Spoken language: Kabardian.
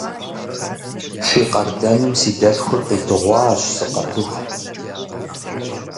Фи къардэным си дэлъхур къидыгъуащ, сыкъэтыху.